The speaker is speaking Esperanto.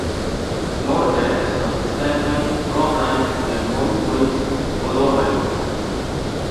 Norde estas stepoj propraj de Montoj Torozoj.